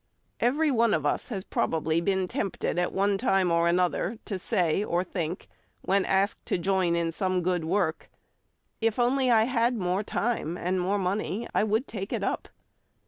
EVERY one of us has probably been tempted at one time or another to say or think when asked to join in some good work, "If only I had more time or more money, I would take it up."